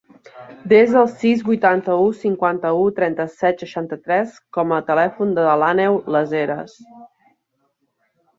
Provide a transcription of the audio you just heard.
Desa el sis, vuitanta-u, cinquanta-u, trenta-set, seixanta-tres com a telèfon de l'Àneu Lasheras.